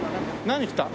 何来た？